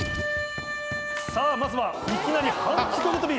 さぁまずはいきなり反復横跳び。